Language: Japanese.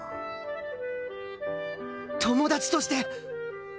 友達として。